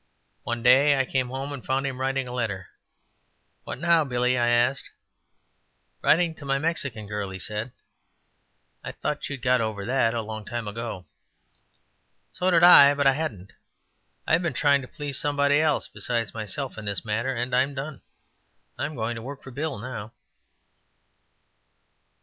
One day I came home and found him writing a letter. "What now, Billy?" I asked. "Writing to my Mexican girl," said he. "I thought you had got over that a long time ago?" "So did I, but I hadn't. I've been trying to please somebody else besides myself in this matter, and I'm done. I'm going to work for Bill now."